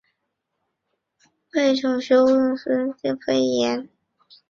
裴处休又有孙乡贡进士裴岩。